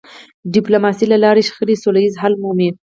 د ډيپلوماسی له لارې شخړې سوله ییز حل مومي.